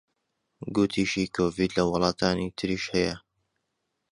گوتیشی کۆڤید لە وڵاتانی تریش هەیە